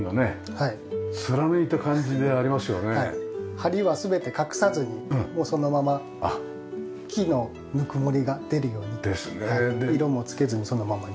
梁は全て隠さずにそのまま木のぬくもりが出るように色もつけずにそのままにしております。